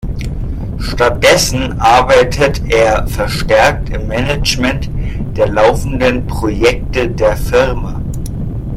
Stattdessen arbeitet er verstärkt im Management der laufenden Projekte der Firma.